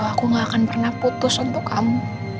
aku gak akan pernah putus untuk kamu